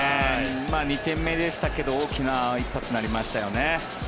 ２点目でしたけど大きな一発になりましたよね。